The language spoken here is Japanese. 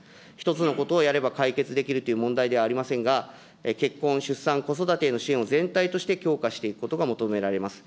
１つのことをやれば解決できるという問題ではありませんが、結婚、出産、子育てへの支援を全体として強化していくことが求められます。